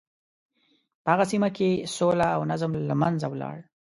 په هغه سیمه کې سوله او نظم له منځه ولاړ.